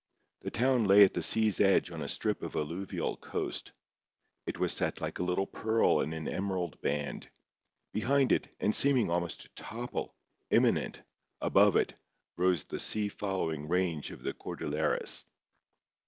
The town lay at the sea's edge on a strip of alluvial coast. It was set like a little pearl in an emerald band. Behind it, and seeming almost to topple, imminent, above it, rose the sea following range of the Cordilleras.